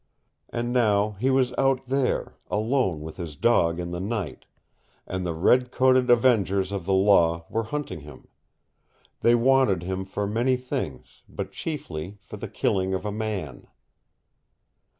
And now he was out there, alone with his dog in the night and the red coated avengers of the law were hunting him. They wanted him for many things, but chiefly for the killing of a man.